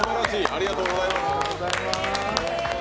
ありがとうございます！